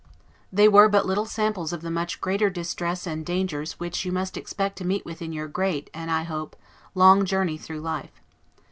They were but little samples of the much greater distress and dangers which you must expect to meet within your great, and I hope, long journey through life.